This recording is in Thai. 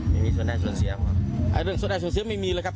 ไม่มีส่วนแรกส่วนเสียหรอส่วนแรกส่วนเสียไม่มีเลยครับ